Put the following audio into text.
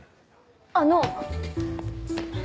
あの！